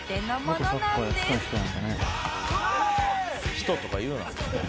「“人”とか言うな。